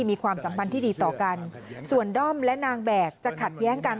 มีความสัมพันธ์ที่ดีต่อกันส่วนด้อมและนางแบกจะขัดแย้งกัน